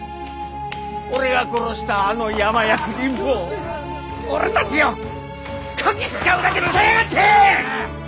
俺が殺したあの山役人も俺たちをこき使うだけ使いやがって！